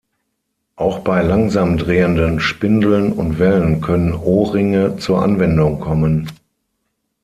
Auch bei langsam drehenden Spindeln und Wellen können O-Ringe zur Anwendung kommen.